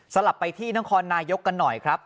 ลับไปที่นครนายกกันหน่อยครับ